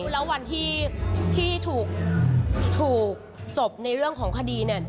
แล้ววันที่ถูกจบในเรื่องของคดีเนี่ย